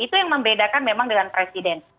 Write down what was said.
itu yang membedakan memang dengan presiden